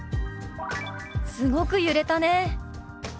「すごく揺れたね」。